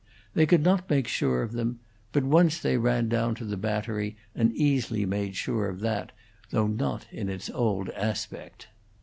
They could not make sure of them; but once they ran down to the Battery, and easily made sure of that, though not in its old aspect.